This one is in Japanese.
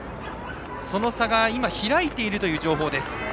その差が、今開いているという情報です。